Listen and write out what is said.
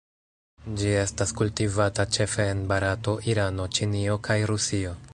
Ĝi estas kultivata ĉefe en Barato, Irano, Ĉinio, kaj Rusio.